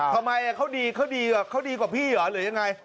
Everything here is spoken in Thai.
ทำไมเขาดีเขาดีกว่าพี่เหรอหรือยังไง